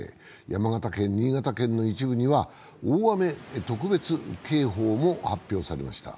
山形県、新潟県の一部には大雨特別警報も発表されました。